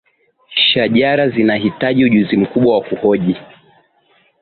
shajara zinahitaji ujuzi mkubwa wa kuhoji